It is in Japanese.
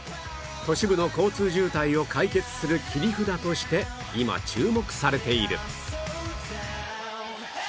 都市部の交通渋滞を解決する切り札として今注目されている